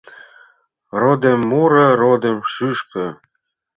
Родем, муро, родем, шӱшкӧ